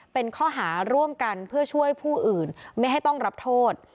เป็นข้อหาร่วมกันเพื่อช่วยผู้อื่นไม่ให้ต้องรับโทษ